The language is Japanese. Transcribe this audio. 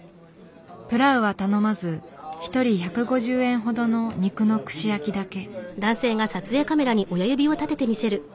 プラウは頼まず一人１５０円ほどの肉の串焼きだけ。